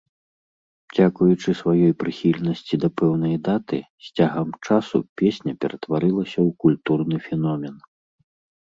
Дзякуючы сваёй прыхільнасці да пэўнай даты, з цягам часу песня ператварылася ў культурны феномен.